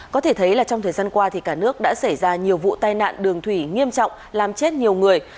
có thể thấy là trong thời gian qua thì cả nước đã xảy ra nhiều vụ tai nạn đường thủy nghiêm trọng làm chết nhiều người